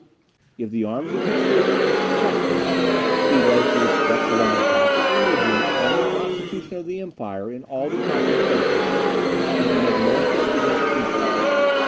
If the arms of Gustavus were successful, he was to respect the Roman Catholic religion and the constitution of the empire in all the conquered places, and to make no attempt against either.